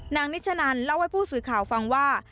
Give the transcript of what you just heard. นิชนันเล่าให้ผู้สื่อข่าวฟังว่า